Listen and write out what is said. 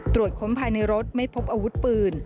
ตรวจค้นภายในรถไม่พบอาวุธปืน